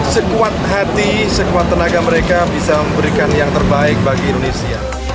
sekuat hati sekuat tenaga mereka bisa memberikan yang terbaik bagi indonesia